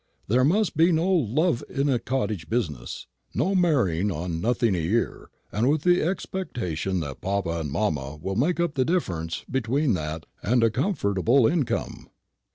There must be no love in a cottage business, no marrying on nothing a year, with the expectation that papa and mamma will make up the difference between that and a comfortable income.